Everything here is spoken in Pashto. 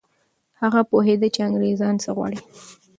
هغه پوهېده چي انګریزان څه غواړي.